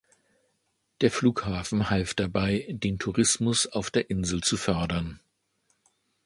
Der Flughafen half dabei, den Tourismus auf der Insel zu fördern.